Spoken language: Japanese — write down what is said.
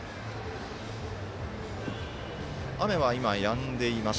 雨は今、やんでいます。